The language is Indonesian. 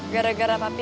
gara gara pak pi